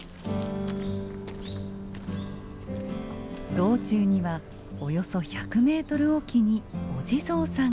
道中にはおよそ１００ｍ置きにお地蔵さんが。